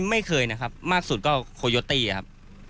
ไม่เคยนะครับมากสุดก็โคโยตี้ครับ